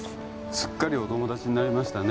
すっかりお友達になりましたね